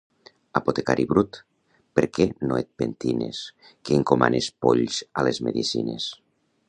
Apotecari brut, per què no et pentines que encomanes polls a les medicines